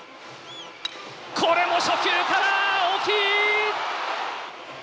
これも初球から大きい！